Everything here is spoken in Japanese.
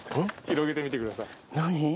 広げてみてください。何？